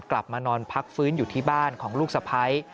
กลับมานอนพักฟื้นอยู่ที่บ้านของลูกสะพ้าย